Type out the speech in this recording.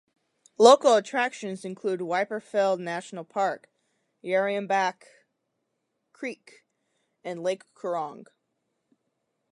Local attractions include Wyperfeld National Park, Yarriambiack Creek and Lake Coorong.